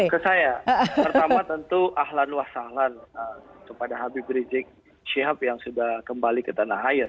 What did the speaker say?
pertama tentu ahlan uasalan kepada habib rizik syihab yang sudah kembali ke tanah air